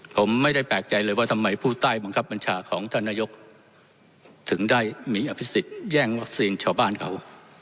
ผมไม่ได้แปลกใจเลยว่าทำไมผู้ใต้บังคับบัญชาของท่านนายกถึงได้มีอภิษฎแย่งวัคซีนชาวบ้านเขา